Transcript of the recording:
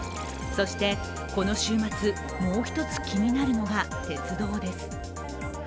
そして、この週末、もう１つ気になるのが鉄道です。